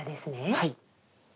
はい。